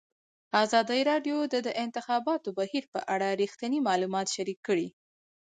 ازادي راډیو د د انتخاباتو بهیر په اړه رښتیني معلومات شریک کړي.